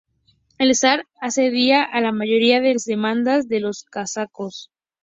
El zar accedía a la mayoría de las demandas de los cosacos.